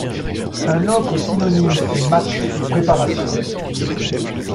Un autre synonyme est match de préparation.